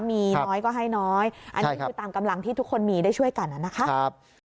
มีน้อยก็ให้น้อยอันนี้คือตามกำลังที่ทุกคนมีได้ช่วยกันนะครับ